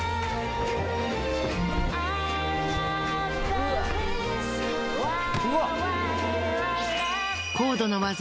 うわっ！